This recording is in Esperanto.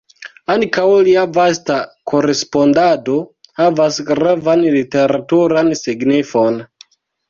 Ankaŭ lia vasta korespondado havas gravan literaturan signifon.